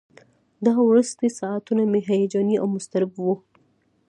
دا وروستي ساعتونه مې هیجاني او مضطرب وو.